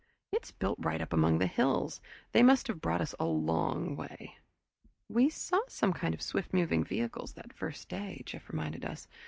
"It's right up among the hills they must have brought us a long way." "We saw some kind of swift moving vehicles the first day," Jeff reminded us.